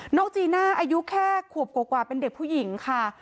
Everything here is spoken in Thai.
จีน่าอายุแค่ขวบกว่าเป็นเด็กผู้หญิงค่ะ